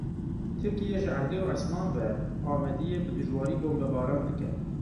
Tirkiye ji erdê û esman ve Amêdiyê bi dijwarî bombebaran dike.